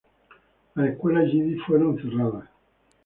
Las escuelas yidis fueron cerradas.